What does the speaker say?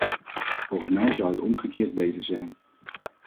Volgens mij zou het omgekeerd beter zijn.